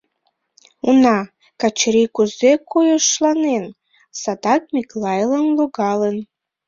Уна, Качырий кузе койышланен, садак Миклайлан логалын.